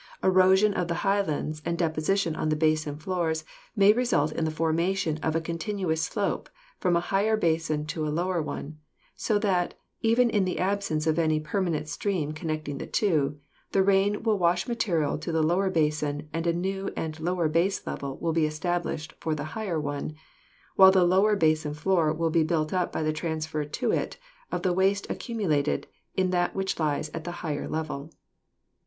Erosion of the highlands and deposition on the basin floors may result in the formation of a continuous slope from a higher basin to a lower one, so that, even in the absence of any permanent stream connecting the two, the rain will wash material to the lower basin and a new and lower base level will be established for the higher one, while the lower basin floor will be built up by the transfer to it of the waste accumulated in that which lies at the higher level."